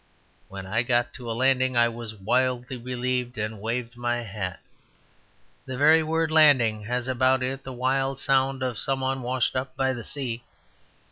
When I got to a landing I was wildly relieved, and waved my hat. The very word "landing" has about it the wild sound of some one washed up by the sea.